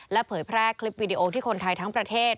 เผยแพร่คลิปวิดีโอที่คนไทยทั้งประเทศ